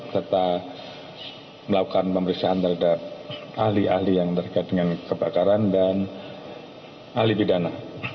serta melakukan pemeriksaan terhadap ahli ahli yang terkait dengan kebakaran dan ahli pidana